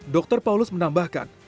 dokter paulus menambahkan